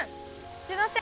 すみません！